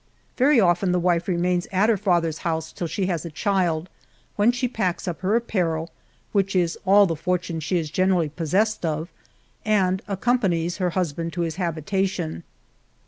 Very often the wife remains at her father's house till she has a child, when she packs up her apparel, which is all the fortune she is general ly possessed of, and accompanies her husband to his habita tion.